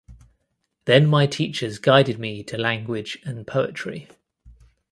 Then my teachers guided me to language and poetry.